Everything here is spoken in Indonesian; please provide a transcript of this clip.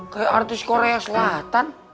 kayak artis korea selatan